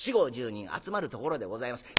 ４０５０人集まるところでございます。